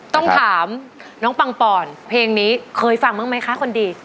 ต้องถามน้องปังปอนเพลงนี้เคยฟังบ้างไหมคะคนดี